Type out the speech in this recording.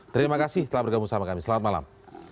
terima kasih telah bergabung sama kami selamat malam